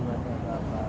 belum ada apa apa